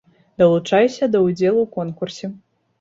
Далучайся да ўдзелу ў конкурсе!